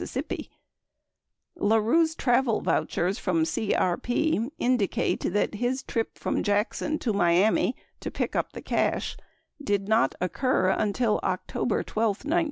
81 La Rue's travel vouchers from CRP indicate that his trip from Jack son to Miami to pick up the cash did not occur until October 12, 1972.